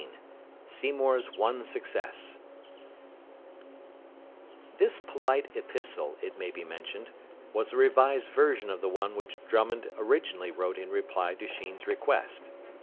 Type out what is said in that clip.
XVII SEYMOUR'S ONE SUCCESS This polite epistle, it may be mentioned, was a revised version of the one which Drummond originally wrote in reply to Sheen's request.